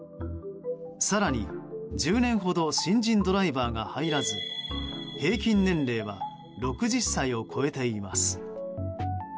更に、１０年ほど新人ドライバーが入らず平均年齢は６０歳を超えています。